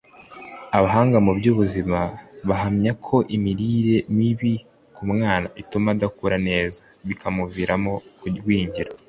Abahanga mu by’ubuzima bahamya ko imirire mibi ku mwana ituma adakura neza bikamuviramo kugwingira